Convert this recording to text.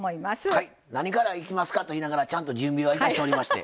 何からいきますかと言いながらちゃんと準備はいたしておりまして。